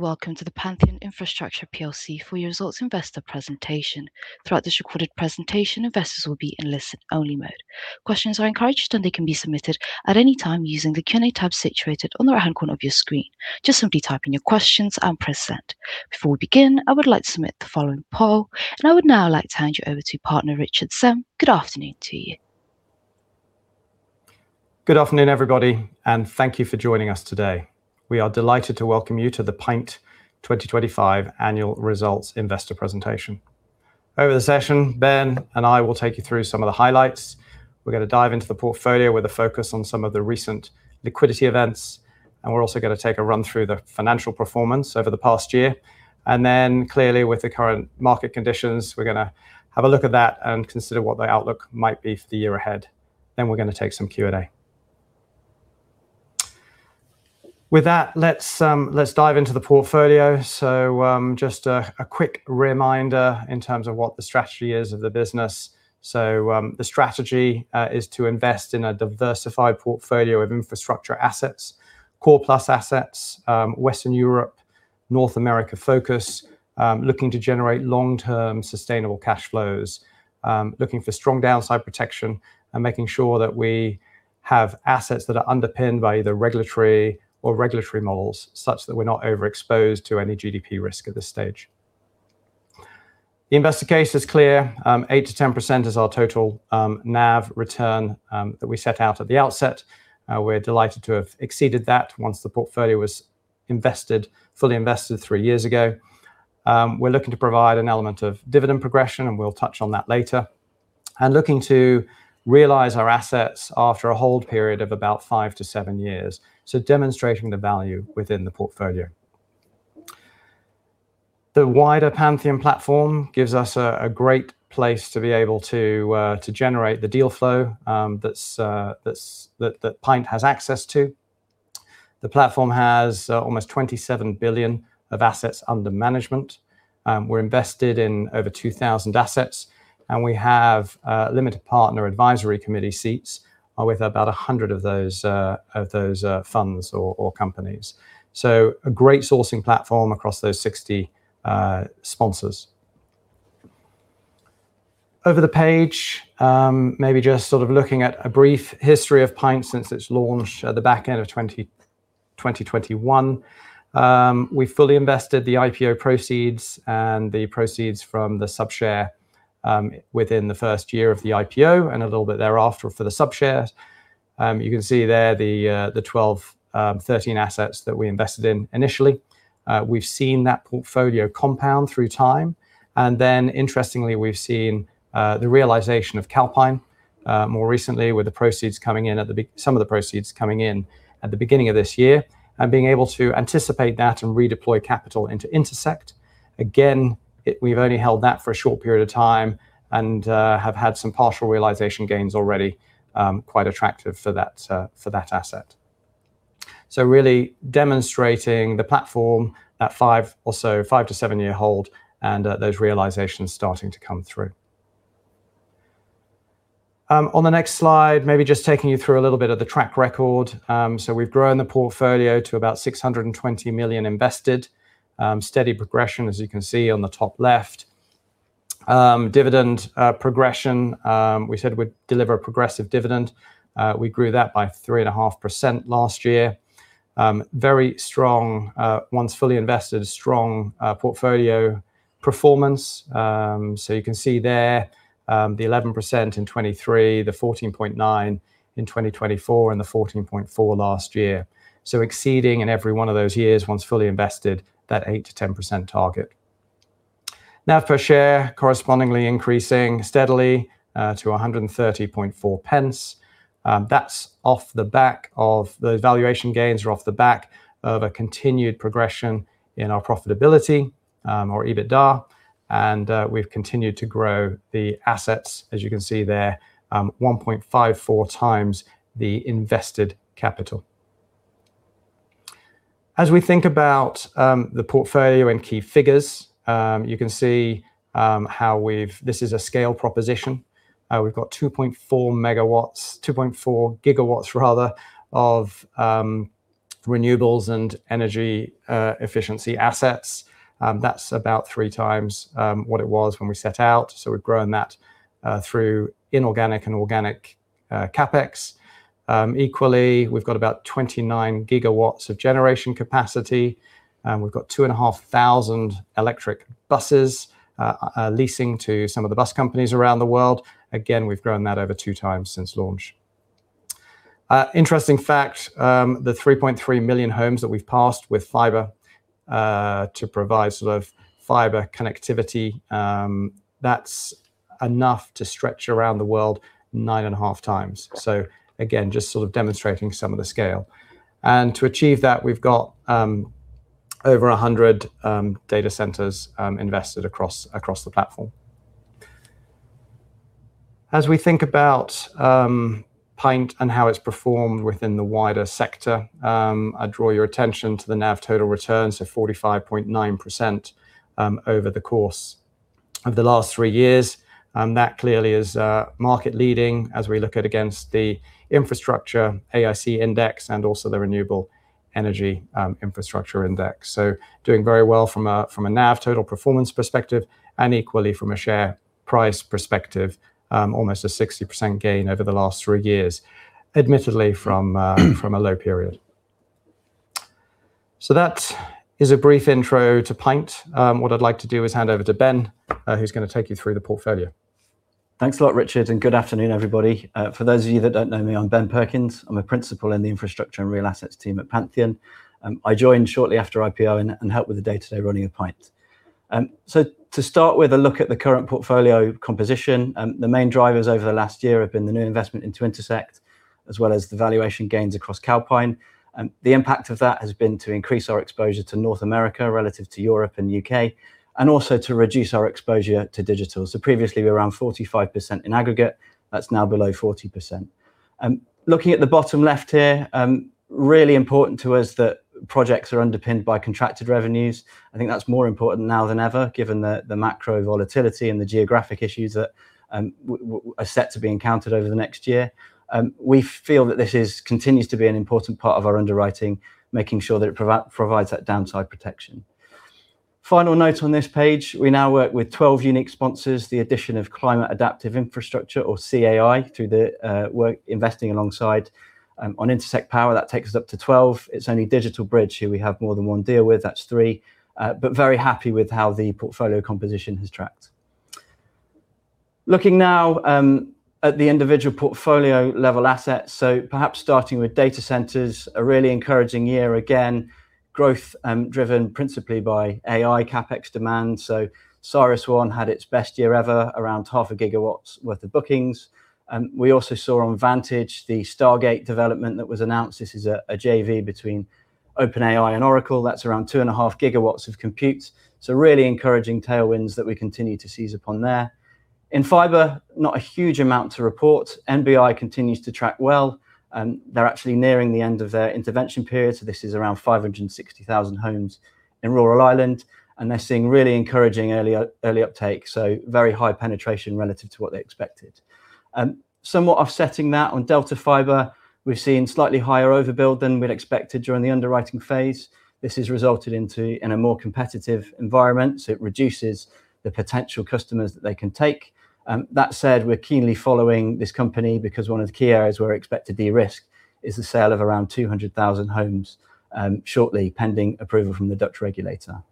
Welcome to the Pantheon Infrastructure Plc full year results investor presentation. Throughout this recorded presentation, investors will be in listen-only mode. Questions are encouraged, and they can be submitted at any time using the Q&A tab situated on the right-hand corner of your screen. Just simply type in your questions and press send. Before we begin, I would like to submit the following poll, and I would now like to hand you over to Partner Richard Sem. Good afternoon to you. Good afternoon everybody, and thank you for joining us today. We are delighted to welcome you to the Pantheon 2025 Annual Results Investor Presentation. Over the session, Ben and I will take you through some of the highlights. We're going to dive into the portfolio with a focus on some of the recent liquidity events, and we're also going to take a run through the financial performance over the past year. Clearly, with the current market conditions, we're going to have a look at that and consider what the outlook might be for the year ahead. We're going to take some Q&A. With that, let's dive into the portfolio. Just a quick reminder in terms of what the strategy is of the business. The strategy is to invest in a diversified portfolio of infrastructure assets, core plus assets, Western Europe, North America focus, looking to generate long-term sustainable cash flows, looking for strong downside protection, and making sure that we have assets that are underpinned by either regulatory or contractual models such that we're not overexposed to any GDP risk at this stage. The investor case is clear. 8%-10% is our total NAV return that we set out at the outset. We're delighted to have exceeded that once the portfolio was fully invested three years ago. We're looking to provide an element of dividend progression, and we'll touch on that later. Looking to realize our assets after a hold period of about five to seven years. Demonstrating the value within the portfolio. The wider Pantheon platform gives us a great place to be able to generate the deal flow that Pint has access to. The platform has almost 27 billion of assets under management. We're invested in over 2,000 assets, and we have limited partner advisory committee seats with about 100 of those funds or companies. A great sourcing platform across those 60 sponsors. Over the page, maybe just looking at a brief history of Pint since its launch at the back end of 2021. We fully invested the IPO proceeds and the proceeds from the sub-share within the first year of the IPO and a little bit thereafter for the sub-share. You can see there the 12, 13 assets that we invested in initially. We've seen that portfolio compound through time, and then interestingly, we've seen the realization of Calpine, more recently with some of the proceeds coming in at the beginning of this year and being able to anticipate that and redeploy capital into Intersect. Again, we've only held that for a short period of time and have had some partial realization gains already, quite attractive for that asset. Really demonstrating the platform, that five to seven year hold and those realizations starting to come through. On the next slide, maybe just taking you through a little bit of the track record. We've grown the portfolio to about 620 million invested. Steady progression as you can see on the top left. Dividend progression. We said we'd deliver a progressive dividend. We grew that by 3.5% last year. Very strong once fully invested, strong portfolio performance. You can see there, the 11% in 2023, the 14.9% in 2024, and the 14.4% last year. Exceeding in every one of those years, once fully invested, that 8%-10% target. NAV per share correspondingly increasing steadily to 1.304. That's of the back of those valuation gains are off the back of a continued progression in our profitability, or EBITDA. We've continued to grow the assets, as you can see there, 1.54x the invested capital. As we think about the portfolio and key figures, you can see how this is a scale proposition. We've got 2.4 GW of renewables and energy efficiency assets. That's about 3x what it was when we set out. We've grown that through inorganic and organic CapEx. Equally, we've got about 29 GW of generation capacity. We've got 2,500 electric buses leasing to some of the bus companies around the world. Again, we've grown that over two times since launch. Interesting fact, the 3.3 million homes that we've passed with fiber to provide fiber connectivity, that's enough to stretch around the world nine and half times. Again, just demonstrating some of the scale. To achieve that, we've got over 100 data centers invested across the platform. As we think about PINT and how it's performed within the wider sector, I draw your attention to the NAV total return, so 45.9% over the course of the last three years. That clearly is market leading as we look at it against the infrastructure AIC index and also the renewable energy infrastructure index. Doing very well from a NAV total performance perspective and equally from a share price perspective, almost a 60% gain over the last three years, admittedly from a low period. That is a brief intro to PINT. What I'd like to do is hand over to Ben, who's going to take you through the portfolio. Thanks a lot, Richard, and good afternoon, everybody. For those of you that don't know me, I'm Ben Perkins. I'm a principal in the infrastructure and real assets team at Pantheon. I joined shortly after IPO and help with the day-to-day running of Pantheon. To start with a look at the current portfolio composition, the main drivers over the last year have been the new investment into Intersect, as well as the valuation gains across Calpine. The impact of that has been to increase our exposure to North America relative to Europe and UK, and also to reduce our exposure to digital. Previously, we were around 45% in aggregate. That's now below 40%. Looking at the bottom left here, really important to us that projects are underpinned by contracted revenues. I think that's more important now than ever, given the macro volatility and the geographic issues that are set to be encountered over the next year. We feel that this continues to be an important part of our underwriting, making sure that it provides that downside protection. Final note on this page, we now work with 12 unique sponsors. The addition of Climate Adaptive Infrastructure or CAI, through the work investing alongside on Intersect Power, that takes us up to 12. It's only DigitalBridge who we have more than one deal with, that's three. But very happy with how the portfolio composition has tracked. Looking now at the individual portfolio level assets. Perhaps starting with data centers, a really encouraging year again, growth driven principally by AI CapEx demand. CyrusOne had its best year ever, around half a gigawatts worth of bookings. We also saw on Vantage the Stargate development that was announced. This is a JV between OpenAI and Oracle. That's around 2.5 GW of compute. Really encouraging tailwinds that we continue to seize upon there. In fiber, not a huge amount to report. NBI continues to track well, and they're actually nearing the end of their intervention period. This is around 560,000 homes in rural Ireland, and they're seeing really encouraging early uptake, so very high penetration relative to what they expected. Somewhat offsetting that on Delta Fiber, we're seeing slightly higher overbuild than we'd expected during the underwriting phase. This has resulted in a more competitive environment, so it reduces the potential customers that they can take. That said, we're keenly following this company because one of the key areas where we expect to de-risk is the sale of around 200,000 homes shortly, pending approval from the Dutch regulator.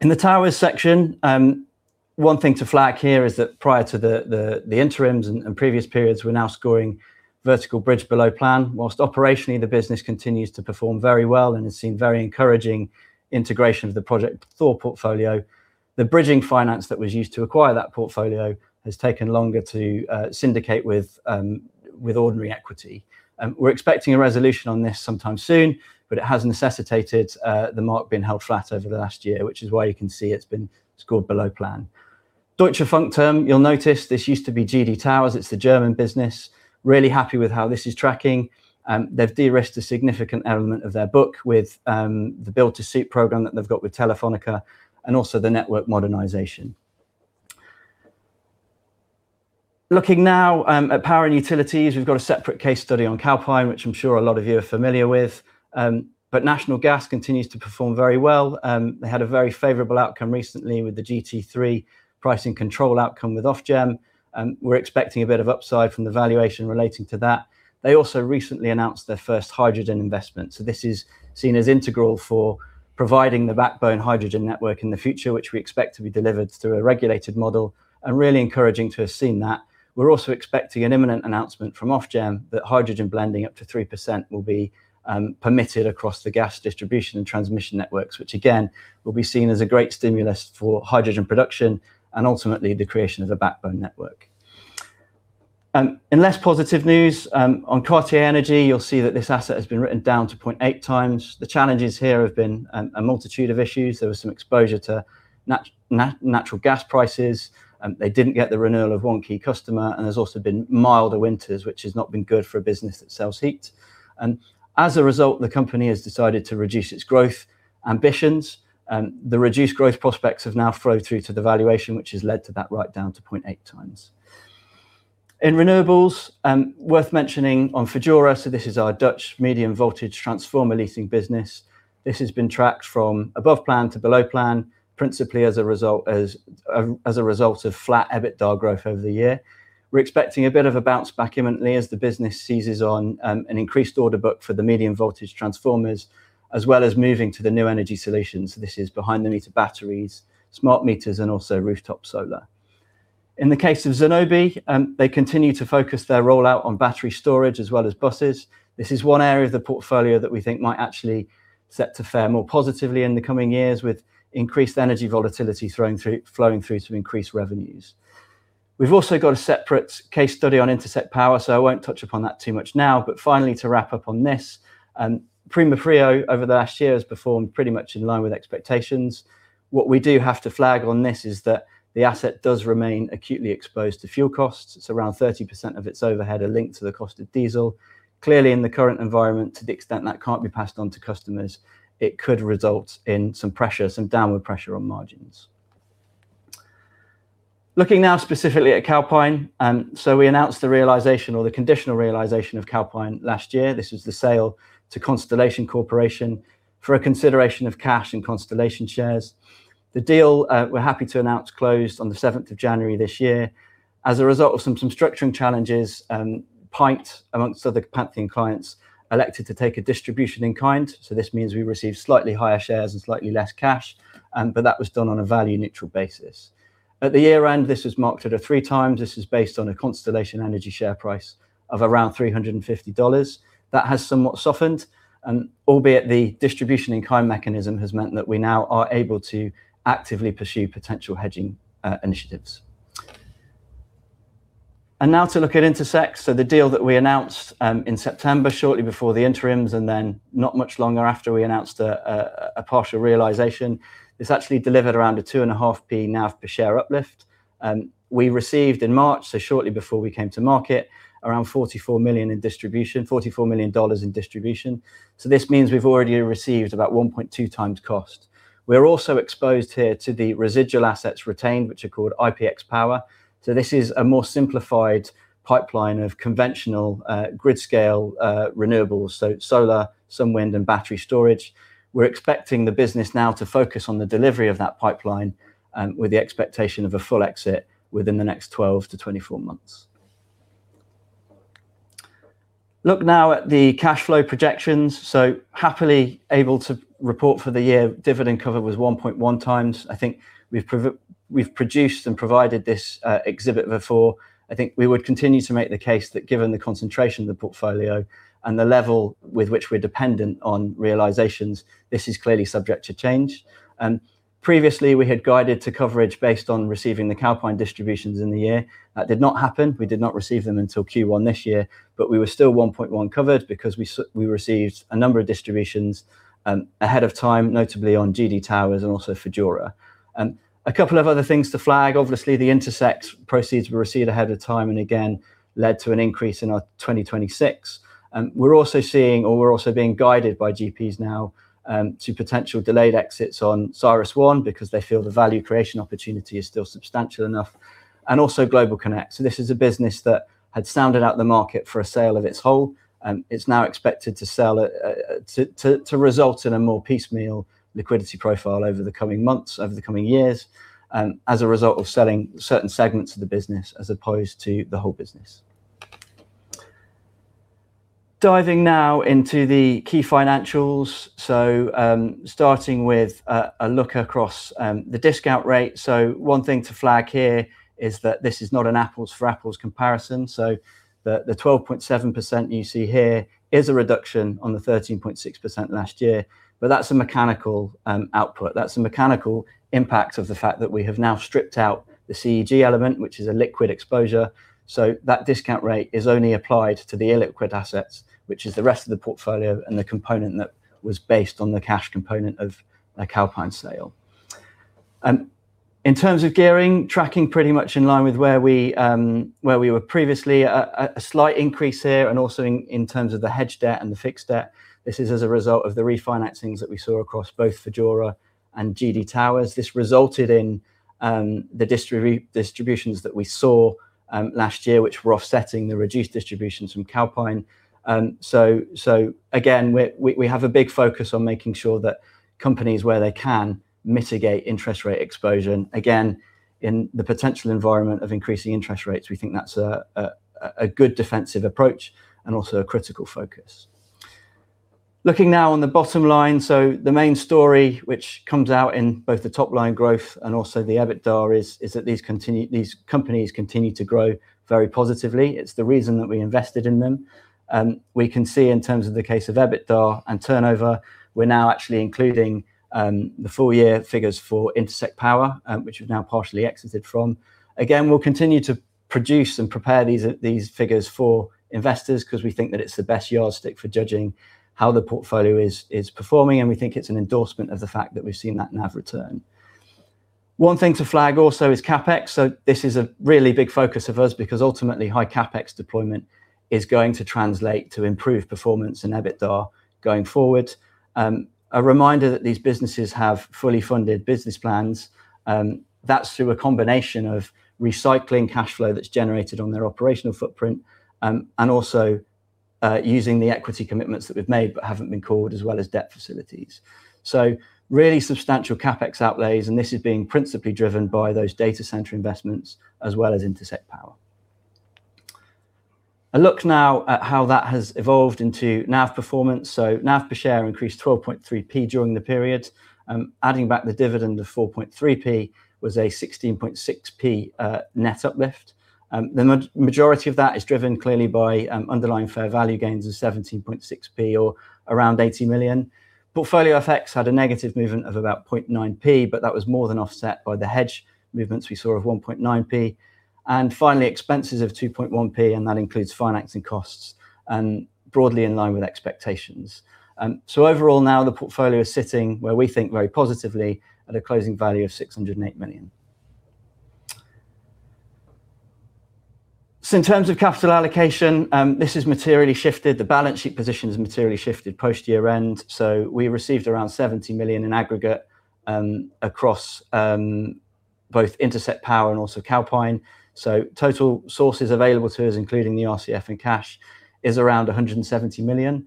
In the Towers section, one thing to flag here is that prior to the interims and previous periods, we're now scoring Vertical Bridge below plan. While operationally the business continues to perform very well and has seen very encouraging integration of the Project Thor portfolio, the bridging finance that was used to acquire that portfolio has taken longer to syndicate with ordinary equity. We're expecting a resolution on this sometime soon, but it has necessitated the mark being held flat over the last year, which is why you can see it's been scored below plan. Deutsche Funkturm, you'll notice this used to be GD Towers. It's the German business. Really happy with how this is tracking. They've de-risked a significant element of their book with the build-to-suit program that they've got with Telefónica and also the network modernization. Looking now at power and utilities, we've got a separate case study on Calpine, which I'm sure a lot of you are familiar with. National Gas continues to perform very well. They had a very favorable outcome recently with the GT3 pricing control outcome with Ofgem, and we're expecting a bit of upside from the valuation relating to that. They also recently announced their first hydrogen investment. This is seen as integral for providing the backbone hydrogen network in the future, which we expect to be delivered through a regulated model, and really encouraging to have seen that. We're also expecting an imminent announcement from Ofgem that hydrogen blending up to 3% will be permitted across the gas distribution and transmission networks, which again, will be seen as a great stimulus for hydrogen production and ultimately the creation of a backbone network. In less positive news, on Cartier Énergie, you'll see that this asset has been written down to 0.8x. The challenges here have been a multitude of issues. There was some exposure to natural gas prices. They didn't get the renewal of one key customer, and there's also been milder winters, which has not been good for a business that sells heat. As a result, the company has decided to reduce its growth ambitions, and the reduced growth prospects have now flowed through to the valuation, which has led to that write-down to 0.8x. In renewables, worth mentioning on Fudura, so this is our Dutch medium-voltage transformer leasing business. This has been tracked from above plan to below plan, principally as a result of flat EBITDA growth over the year. We're expecting a bit of a bounce back imminently as the business seizes on an increased order book for the medium-voltage transformers, as well as moving to the new energy solutions. This is behind the meter batteries, smart meters, and also rooftop solar. In the case of Zenobē, they continue to focus their rollout on battery storage as well as buses. This is one area of the portfolio that we think might actually set to fare more positively in the coming years with increased energy volatility flowing through to increased revenues. We've also got a separate case study on Intersect Power, so I won't touch upon that too much now. Finally, to wrap up on this, Primafrio over the last year has performed pretty much in line with expectations. What we do have to flag on this is that the asset does remain acutely exposed to fuel costs. It's around 30% of its overhead are linked to the cost of diesel. Clearly, in the current environment, to the extent that can't be passed on to customers, it could result in some downward pressure on margins. Looking now specifically at Calpine. We announced the realization or the conditional realization of Calpine last year. This was the sale to Constellation Energy Corporation for a consideration of cash and Constellation shares. The deal, we're happy to announce, closed on the 7th of January this year as a result of some structuring challenges and Pantheon, amongst other Pantheon clients, elected to take a distribution in kind. This means we received slightly higher shares and slightly less cash, but that was done on a value-neutral basis. At the year-end, this was marked at 3x. This was based on a Constellation Energy share price of around $350. That has somewhat softened, albeit the distribution in kind mechanism has meant that we now are able to actively pursue potential hedging initiatives. Now to look at Intersect Power. The deal that we announced in September, shortly before the interims, and then not much longer after we announced a partial realization. This actually delivered around a 2.5x NAV per share uplift. We received in March, so shortly before we came to market, around $44 million in distribution. This means we've already received about 1.2x cost. We're also exposed here to the residual assets retained, which are called IPX Power. This is a more simplified pipeline of conventional grid-scale renewables, so solar, some wind, and battery storage. We're expecting the business now to focus on the delivery of that pipeline and with the expectation of a full exit within the next 12-24 months. Look now at the cash flow projections. Happily able to report for the year. Dividend cover was 1.1 times. I think we've produced and provided this exhibit before. I think we would continue to make the case that given the concentration of the portfolio and the level with which we're dependent on realizations, this is clearly subject to change. Previously we had guided to coverage based on receiving the Calpine distributions in the year. That did not happen. We did not receive them until Q1 this year, but we were still 1.1 covered because we received a number of distributions ahead of time, notably on GD Towers and also Fudura. A couple of other things to flag. Obviously, the Intersect proceeds were received ahead of time and again led to an increase in our 2026. We're also seeing, or we're also being guided by GPs now, to potential delayed exits on CyrusOne because they feel the value creation opportunity is still substantial enough and also GlobalConnect. This is a business that had sounded out the market for a sale of its whole, and it's now expected to result in a more piecemeal liquidity profile over the coming months, over the coming years, and as a result of selling certain segments of the business as opposed to the whole business. Diving now into the key financials. Starting with a look across the discount rate. One thing to flag here is that this is not an apples-to-apples comparison. The 12.7% you see here is a reduction on the 13.6% last year. That's a mechanical output. That's a mechanical impact of the fact that we have now stripped out the CEG element, which is a liquid exposure. That discount rate is only applied to the illiquid assets, which is the rest of the portfolio and the component that was based on the cash component of the Calpine sale. In terms of gearing, tracking pretty much in line with where we were previously. A slight increase here and also in terms of the hedge debt and the fixed debt. This is as a result of the refinancings that we saw across both Fudura and GD Towers. This resulted in the distributions that we saw last year, which were offsetting the reduced distributions from Calpine. Again, we have a big focus on making sure that companies, where they can, mitigate interest rate exposure. Again, in the potential environment of increasing interest rates, we think that's a good defensive approach and also a critical focus. Looking now on the bottom line, the main story, which comes out in both the top-line growth and also the EBITDA, is that these companies continue to grow very positively. It's the reason that we invested in them. We can see in terms of the case of EBITDA and turnover; we're now actually including the full-year figures for Intersect Power, which we've now partially exited from. Again, we'll continue to produce and prepare these figures for investors because we think that it's the best yardstick for judging how the portfolio is performing, and we think it's an endorsement of the fact that we've seen that NAV return. One thing to flag also is CapEx. This is a really big focus of ours because ultimately high CapEx deployment is going to translate to improved performance in EBITDA going forward. A reminder that these businesses have fully funded business plans. That's through a combination of recycling cash flow that's generated on their operational footprint, and also using the equity commitments that we've made but haven't been called, as well as debt facilities. Really substantial CapEx outlays, and this is being principally driven by those data center investments as well as Intersect Power. A look now at how that has evolved into NAV performance. NAV per share increased 12.3p during the period. Adding back the dividend of 4.3p was a 16.6p net uplift. The majority of that is driven clearly by underlying fair value gains of 17.6p or around 80 million. Portfolio effects had a negative movement of about 0.9p, but that was more than offset by the hedge movements we saw of 1.9p and finally expenses of 2.1p and that includes financing costs and broadly in line with expectations. Overall now the portfolio is sitting where we think very positively at a closing value of 608 million. In terms of capital allocation, this has materially shifted. The balance sheet position has materially shifted post year-end. We received around 70 million in aggregate and across both Intersect Power and also Calpine. Total sources available to us, including the RCF and cash, is around 170 million.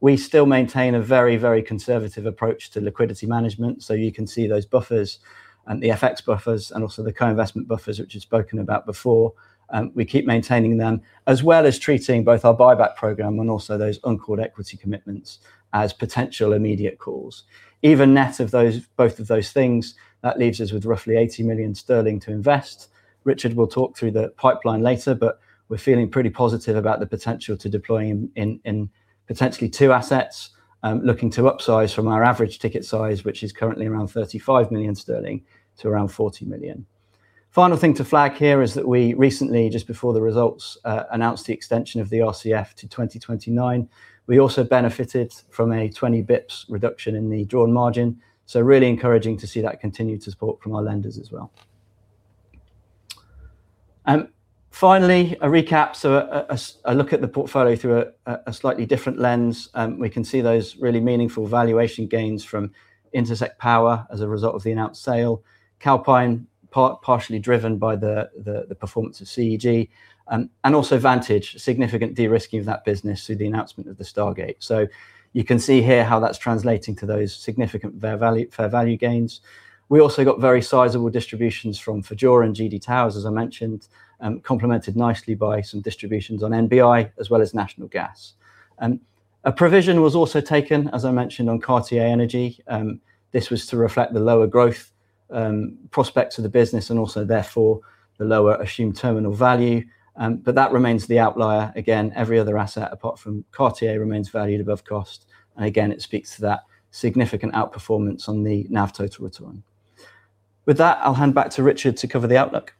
We still maintain a very, very conservative approach to liquidity management. You can see those buffers and the FX buffers and also the co-investment buffers, which we've spoken about before. We keep maintaining them as well as treating both our buyback program and also those uncalled equity commitments as potential immediate calls. Even net of both of those things, that leaves us with roughly 80 million sterling to invest. Richard will talk through the pipeline later, but we're feeling pretty positive about the potential to deploy in potentially two assets. Looking to upsize from our average ticket size, which is currently around 35 million sterling to around 40 million. Final thing to flag here is that we recently, just before the results, announced the extension of the RCF to 2029. We also benefited from a 20 basis points reduction in the drawn margin. It's really encouraging to see that continued support from our lenders as well. Finally, a recap look at the portfolio through a slightly different lens. We can see those really meaningful valuation gains from Intersect Power as a result of the announced sale, Calpine partially driven by the performance of CEG, and also Vantage, significant de-risking of that business through the announcement of the Stargate. You can see here how that's translating to those significant fair value gains. We also got very sizable distributions from Fudura and GD Towers, as I mentioned, complemented nicely by some distributions on NBI as well as National Gas. A provision was also taken, as I mentioned, on Cartier Énergie. This was to reflect the lower growth prospects of the business and also therefore the lower assumed terminal value. that remains the outlier. Again, every other asset apart from Cartier remains valued above cost. Again, it speaks to that significant outperformance on the NAV total return. With that, I'll hand back to Richard to cover the outlook.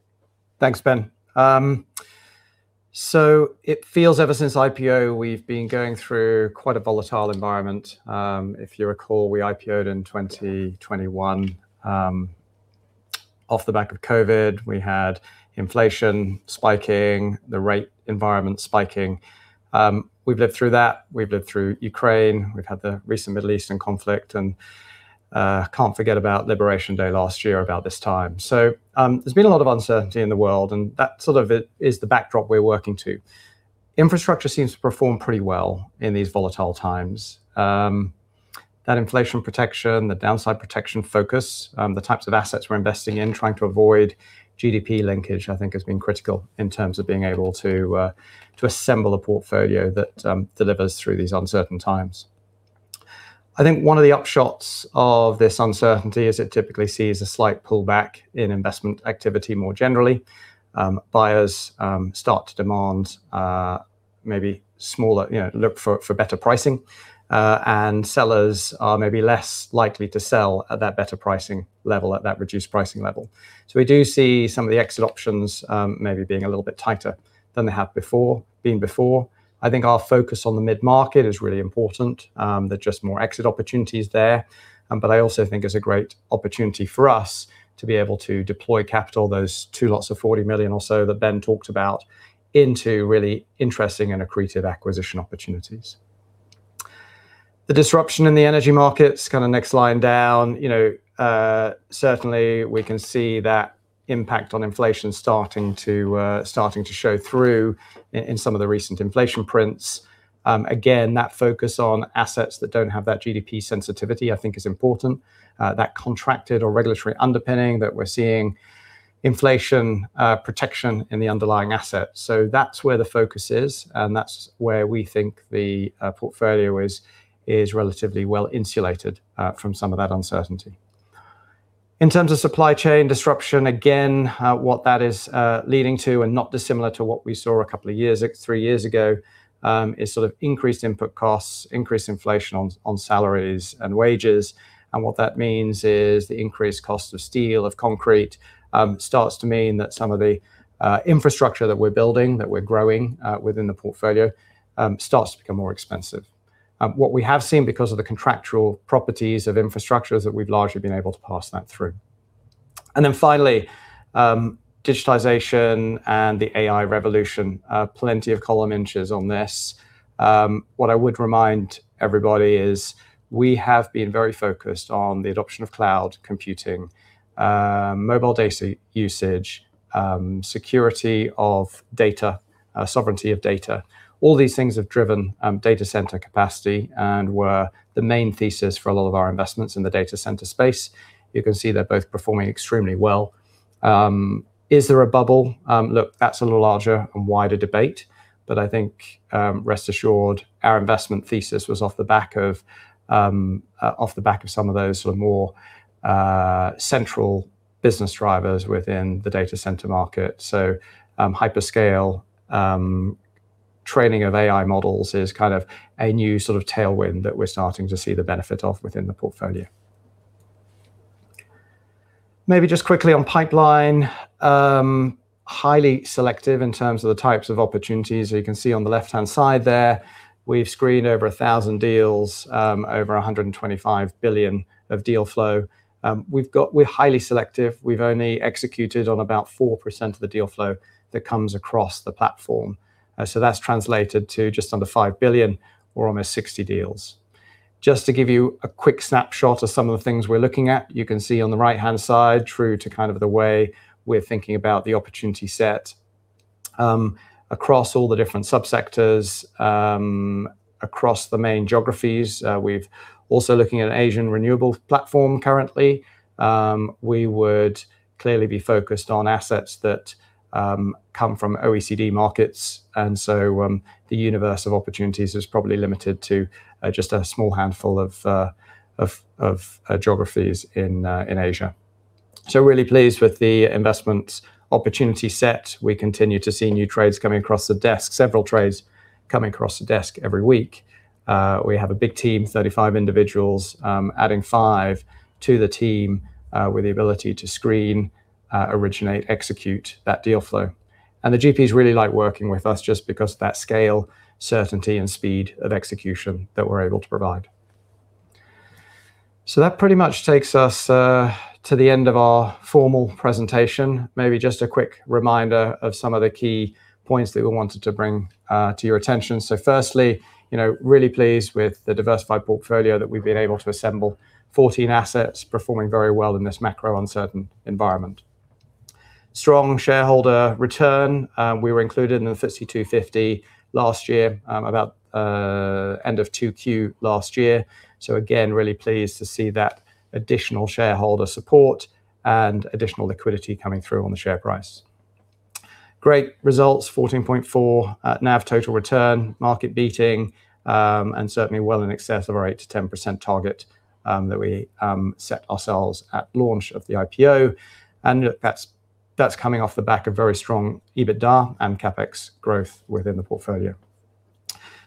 Thanks Ben. It feels ever since IPO, we've been going through quite a volatile environment. If you recall, we IPO'd in 2021. Off the back of COVID, we had inflation spiking, the rate environment spiking. We've lived through that. We've lived through Ukraine. We've had the recent Middle Eastern conflict and can't forget about Liberation Day last year about this time. There's been a lot of uncertainty in the world and that sort of is the backdrop we're working to. Infrastructure seems to perform pretty well in these volatile times. That inflation protection, the downside protection focus, the types of assets we're investing in trying to avoid GDP linkage, I think has been critical in terms of being able to assemble a portfolio that delivers through these uncertain times. I think one of the upshots of this uncertainty is it typically sees a slight pullback in investment activity more generally. Buyers start to demand maybe smaller, look for better pricing. Sellers are maybe less likely to sell at that better pricing level, at that reduced pricing level. We do see some of the exit options maybe being a little bit tighter than they have been before. I think our focus on the mid-market is really important. There are just more exit opportunities there. I also think it's a great opportunity for us to be able to deploy capital, those two lots of 40 million or so that Ben talked about into really interesting and accretive acquisition opportunities. The disruption in the energy markets kind of next line down. Certainly we can see that impact on inflation starting to show through in some of the recent inflation prints. Again, that focus on assets that don't have that GDP sensitivity I think is important. That contracted or regulatory underpinning that we're seeing inflation protection in the underlying asset. That's where the focus is and that's where we think the portfolio is relatively well insulated from some of that uncertainty. In terms of supply chain disruption, again, what that is leading to and not dissimilar to what we saw a couple of years, three years ago, is sort of increased input costs, increased inflation on salaries and wages. What that means is the increased cost of steel, of concrete, starts to mean that some of the infrastructure that we're building, that we're growing within the portfolio, starts to become more expensive. What we have seen because of the contractual properties of infrastructure is that we've largely been able to pass that through. Then finally, digitization and the AI revolution. Plenty of column inches on this. What I would remind everybody is we have been very focused on the adoption of cloud computing, mobile data usage, security of data, sovereignty of data. All these things have driven data center capacity and were the main thesis for a lot of our investments in the data center space. You can see they're both performing extremely well. Is there a bubble? Look, that's a little larger and wider debate, but I think, rest assured our investment thesis was off the back of some of those sort of more central business drivers within the data center market. Hyperscale training of AI models is kind of a new sort of tailwind that we're starting to see the benefit of within the portfolio. Maybe just quickly on pipeline, highly selective in terms of the types of opportunities. You can see on the left-hand side there, we've screened over 1,000 deals, over 125 billion of deal flow. We're highly selective. We've only executed on about 4% of the deal flow that comes across the platform. That's translated to just under 5 billion or almost 60 deals. Just to give you a quick snapshot of some of the things we're looking at. You can see on the right-hand side, true to kind of the way we're thinking about the opportunity set across all the different sub-sectors, across the main geographies. We're also looking at an Asian renewable platform currently. We would clearly be focused on assets that come from OECD markets, and so the universe of opportunities is probably limited to just a small handful of geographies in Asia. Really pleased with the investment opportunity set. We continue to see new trades coming across the desk, several trades coming across the desk every week. We have a big team, 35 individuals, adding five to the team with the ability to screen, originate, execute that deal flow. The GPs really like working with us just because of that scale, certainty and speed of execution that we're able to provide. That pretty much takes us to the end of our formal presentation. Maybe just a quick reminder of some of the key points that we wanted to bring to your attention. Firstly, really pleased with the diversified portfolio that we've been able to assemble. 14 assets performing very well in this macro uncertain environment. Strong shareholder return. We were included in the FTSE 250 last year about end of Q2 last year. Again, really pleased to see that additional shareholder support and additional liquidity coming through on the share price. Great results, 14.4 NAV total return, market beating, and certainly well in excess of our 8%-10% target that we set ourselves at launch of the IPO. That's coming off the back of very strong EBITDA and CapEx growth within the portfolio.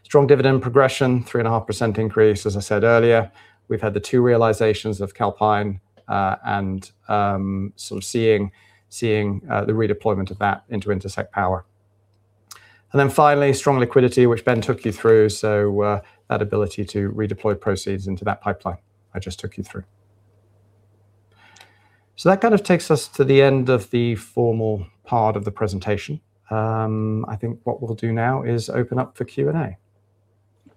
Strong dividend progression, 3.5% increase, as I said earlier. We've had the two realizations of Calpine, and so seeing the redeployment of that into Intersect Power, then finally strong liquidity, which Ben took you through, that ability to redeploy proceeds into that pipeline I just took you through, that kind of takes us to the end of the formal part of the presentation. I think what we'll do now is open up for Q&A.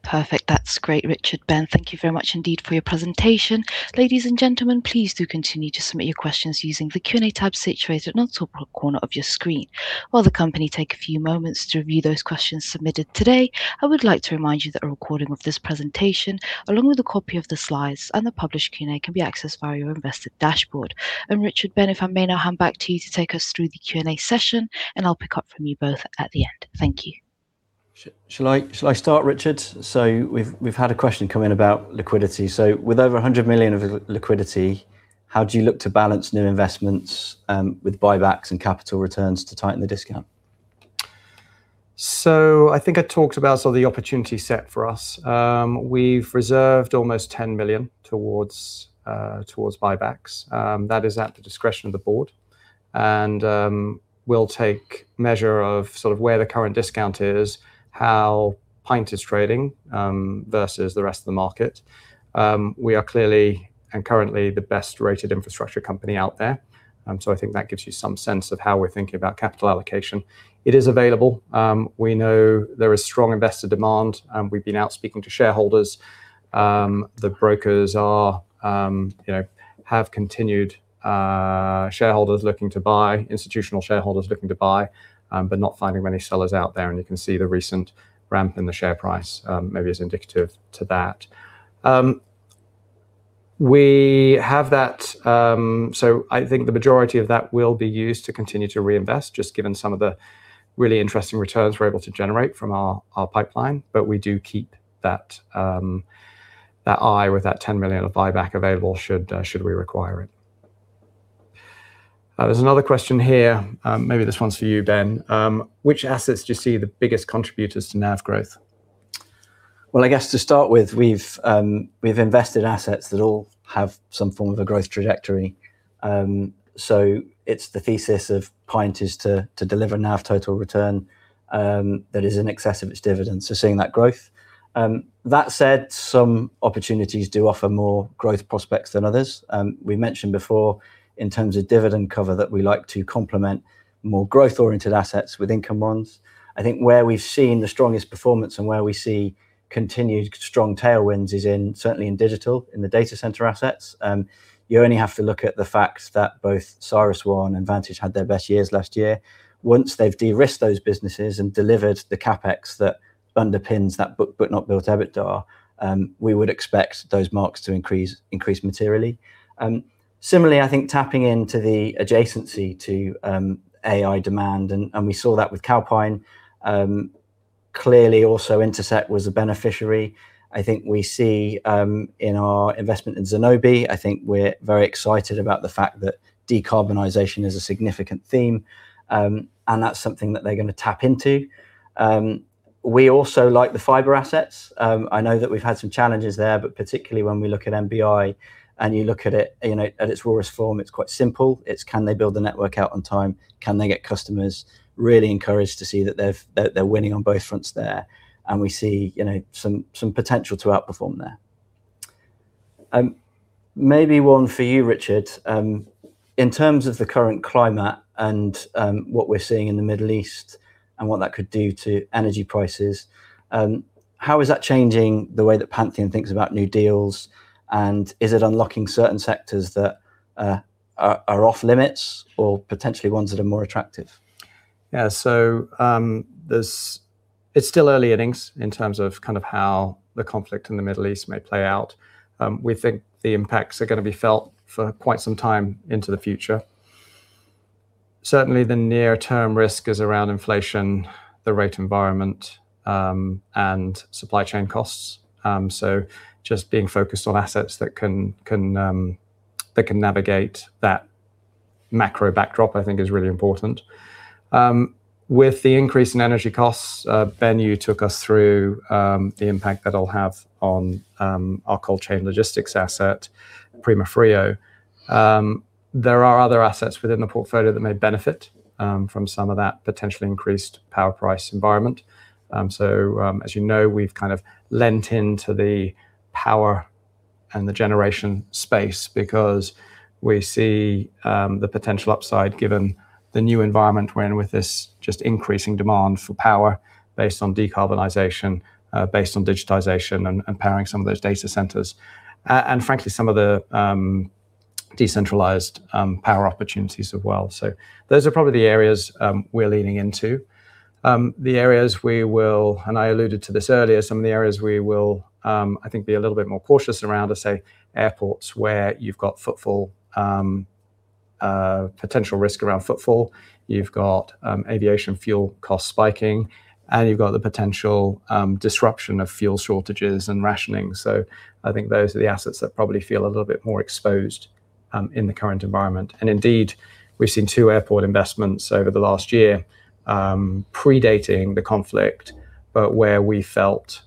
Perfect. That's great, Richard. Ben, thank you very much indeed for your presentation. Ladies and gentlemen, please do continue to submit your questions using the Q&A tab situated on the top right corner of your screen. While the company take a few moments to review those questions submitted today, I would like to remind you that a recording of this presentation, along with a copy of the slides and the published Q&A, can be accessed via your investor dashboard. Richard, Ben, if I may now hand back to you to take us through the Q&A session, and I'll pick up from you both at the end. Thank you. Shall I start, Richard? We've had a question come in about liquidity. With over 100 million of liquidity, how do you look to balance new investments with buybacks and capital returns to tighten the discount? I think I talked about some of the opportunity set for us. We've reserved almost 10 million towards buybacks. That is at the discretion of the board. We'll take measure of sort of where the current discount is, how Pantheon is trading versus the rest of the market. We are clearly and currently the best-rated infrastructure company out there. I think that gives you some sense of how we're thinking about capital allocation. It is available. We know there is strong investor demand. We've been out speaking to shareholders. The brokers have contacted shareholders looking to buy, institutional shareholders looking to buy, but not finding many sellers out there. You can see the recent ramp in the share price maybe is indicative to that. I think the majority of that will be used to continue to reinvest, just given some of the really interesting returns we're able to generate from our pipeline. We do keep that eye with that 10 million of buyback available should we require it. There's another question here. Maybe this one's for you, Ben. Which assets do you see the biggest contributors to NAV growth? Well, I guess to start with, we've invested assets that all have some form of a growth trajectory. It's the thesis of Pantheon is to deliver NAV total return that is in excess of its dividends. Seeing that growth. That said, some opportunities do offer more growth prospects than others. We mentioned before in terms of dividend cover that we like to complement more growth-oriented assets with income ones. I think where we've seen the strongest performance and where we see continued strong tailwinds is certainly in digital, in the data center assets. You only have to look at the facts that both CyrusOne and Vantage had their best years last year. Once they've de-risked those businesses and delivered the CapEx that underpins that book, but not built EBITDA, we would expect those marks to increase materially. Similarly, I think tapping into the adjacency to AI demand, and we saw that with Calpine. Clearly also Intersect was a beneficiary. I think we see in our investment in Zenobē. I think we're very excited about the fact that decarbonization is a significant theme, and that's something that they're going to tap into. We also like the fiber assets. I know that we've had some challenges there, but particularly when we look at NBI and you look at it in its rawest form, it's quite simple. It's can they build the network out on time? Can they get customers really encouraged to see that they're winning on both fronts there? We see some potential to outperform there. Maybe one for you, Richard. In terms of the current climate and what we're seeing in the Middle East and what that could do to energy prices, how is that changing the way that Pantheon thinks about new deals, and is it unlocking certain sectors that are off-limits or potentially ones that are more attractive? Yeah. It's still early innings in terms of how the conflict in the Middle East may play out. We think the impacts are going to be felt for quite some time into the future. Certainly, the near-term risk is around inflation, the rate environment, and supply chain costs. Just being focused on assets that can navigate that macro backdrop, I think is really important. With the increase in energy costs, Ben, you took us through the impact that it'll have on our cold chain logistics asset, Primafrio. There are other assets within the portfolio that may benefit from some of that potentially increased power price environment. As you know, we've lent into the power and the generation space because we see the potential upside given the new environment we're in with this just increasing demand for power based on decarbonization, based on digitization, and powering some of those data centers. Frankly, some of the decentralized power opportunities as well. Those are probably the areas we're leaning into. The areas we will, and I alluded to this earlier, some of the areas we will, I think, be a little bit more cautious around are, say, airports where you've got potential risk around footfall. You've got aviation fuel costs spiking, and you've got the potential disruption of fuel shortages and rationing. I think those are the assets that probably feel a little bit more exposed in the current environment. Indeed, we've seen two airport investments over the last year predating the conflict, but where we felt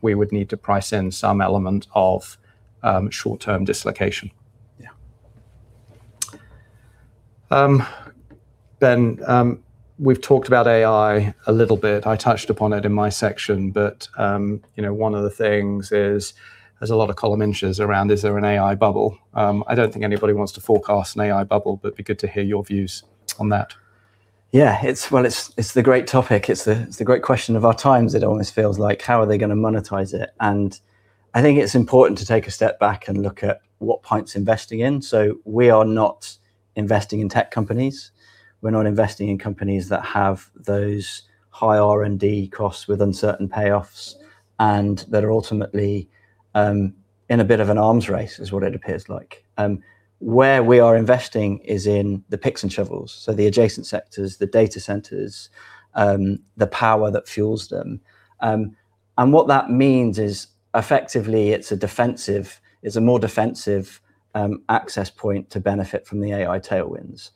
we would need to price in some element of short-term dislocation. Yeah. Ben, we've talked about AI a little bit. I touched upon it in my section, but one of the things is there's a lot of column inches around is there an AI bubble? I don't think anybody wants to forecast an AI bubble, but it'd be good to hear your views on that. Well, it's the great topic. It's the great question of our times. It almost feels like. How are they going to monetize it? I think it's important to take a step back and look at what point to invest again. We are not investing in tech companies. We're not investing in companies that have those high R&D costs with uncertain payoffs and that are ultimately in a bit of an arms race, what it appears like. Where we are investing is in the picks and shovels, so the adjacent sectors, the data centers, the power that fuels them. What that means is effectively, it's a more defensive access point to benefit from the AI tailwinds.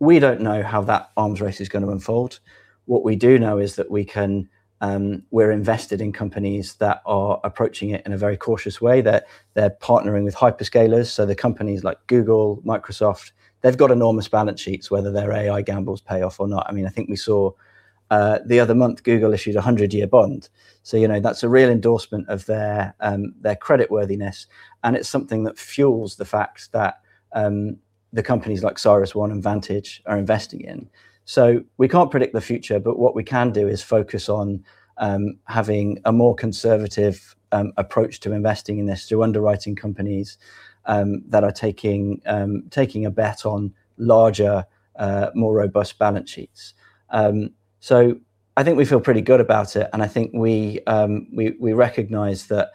We don't know how that arms race is going to unfold. What we do know is that we're invested in companies that are approaching it in a very cautious way, that they're partnering with hyperscalers. The companies like Google, Microsoft, they've got enormous balance sheets whether their AI gambles pay off or not. I think we saw the other month, Google issued a 100-year bond. That's a real endorsement of their creditworthiness, and it's something that fuels the fact that the companies like CyrusOne and Vantage are investing in. We can't predict the future, but what we can do is focus on having a more conservative approach to investing in this, through underwriting companies that are taking a bet on larger, more robust balance sheets. I think we feel pretty good about it, and I think we recognize that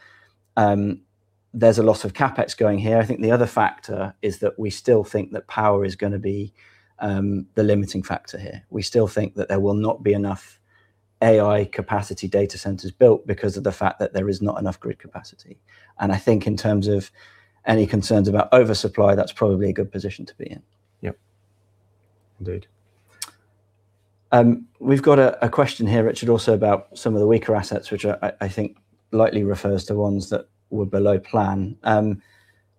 there's a lot of CapEx going here. I think the other factor is that we still think that power is going to be the limiting factor here. We still think that there will not be enough AI capacity data centers built because of the fact that there is not enough grid capacity. I think in terms of any concerns about oversupply, that's probably a good position to be in. Yep. Indeed. We've got a question here, Richard, also about some of the weaker assets, which I think likely refers to ones that were below plan.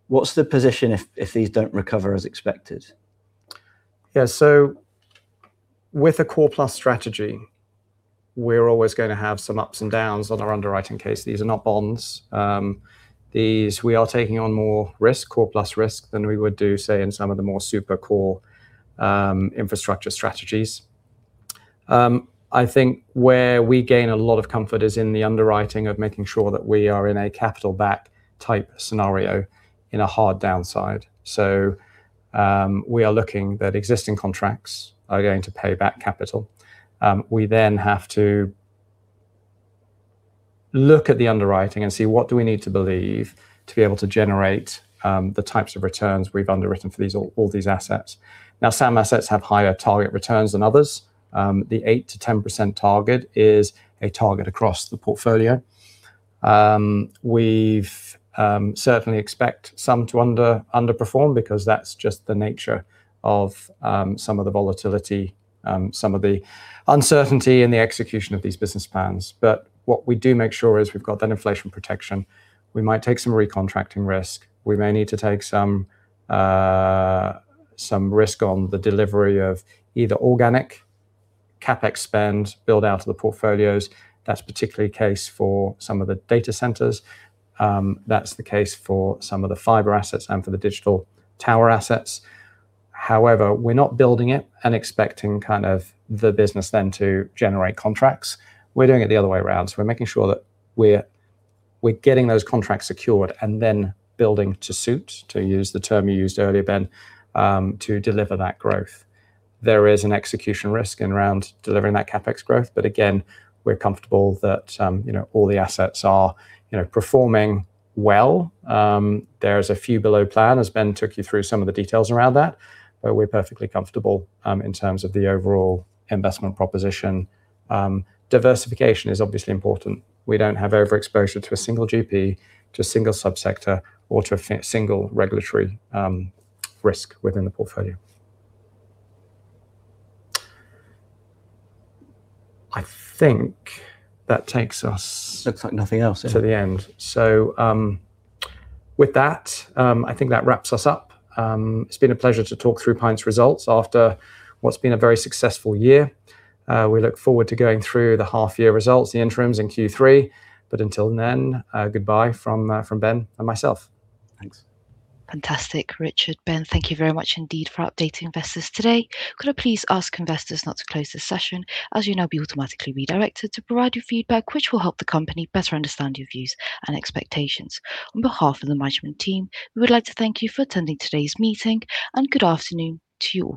What's the position if these don't recover as expected? Yeah. With a core plus strategy, we're always going to have some ups and downs on our underwriting case. These are not bonds. We are taking on more risk, core plus risk, than we would do, say, in some of the more super core infrastructure strategies. I think where we gain a lot of comfort is in the underwriting of making sure that we are in a capital-backed type scenario in a hard downside. We are looking that existing contracts are going to pay back capital. We then have to look at the underwriting and see what do we need to believe to be able to generate the types of returns we've underwritten for all these assets. Now, some assets have higher target returns than others. The 8%-10% target is a target across the portfolio. We certainly expect some to underperform because that's just the nature of some of the volatility, some of the uncertainty in the execution of these business plans. What we do make sure is we've got that inflation protection. We might take some recontracting risk. We may need to take some risk on the delivery of either organic CapEx spend build-out of the portfolios. That's particularly case for some of the data centers. That's the case for some of the fiber assets and for the digital tower assets. However, we're not building it and expecting kind of the business then to generate contracts. We're doing it the other way around. We're making sure that we're getting those contracts secured and then building to suit, to use the term you used earlier, Ben, to deliver that growth. There is an execution risk in around delivering that CapEx growth. Again, we're comfortable that all the assets are performing well. There's a few below plan, as Ben took you through some of the details around that. We're perfectly comfortable in terms of the overall investment proposition. Diversification is obviously important. We don't have overexposure to a single GP, to a single sub-sector, or to a single regulatory risk within the portfolio. I think that takes us to the end. With that, I think that wraps us up. It's been a pleasure to talk through Pantheon's results after what's been a very successful year. We look forward to going through the half-year results, the interims in Q3. Until then, goodbye from Ben and myself. Thanks. Fantastic. Richard, Ben, thank you very much indeed for updating investors today. Could I please ask investors not to close this session, as you'll now be automatically redirected to provide your feedback, which will help the company better understand your views and expectations. On behalf of the management team, we would like to thank you for attending today's meeting, and good afternoon to you all.